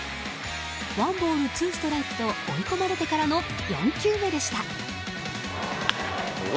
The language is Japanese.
ワンボールツーストライクと追い込まれてからの４球目でした。